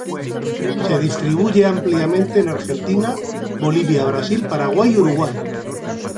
Se distribuye ampliamente en Argentina, Bolivia, Brasil, Paraguay y Uruguay.